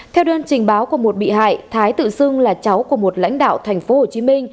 theo đơn trình báo của một bị hại thái tự xưng là cháu của một lãnh đạo tp hcm